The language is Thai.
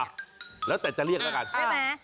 อ่ะแล้วแต่จะเรียกและกัน